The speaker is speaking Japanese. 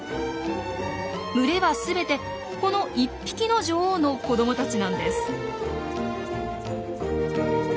群れは全てこの１匹の女王の子どもたちなんです。